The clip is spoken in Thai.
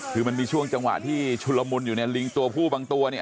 คือมันมีช่วงจังหวะที่ชุลมุนอยู่เนี่ยลิงตัวผู้บางตัวเนี่ย